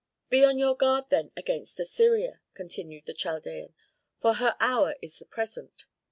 "Be on your guard then against Assyria," continued the Chaldean, "for her hour is the present.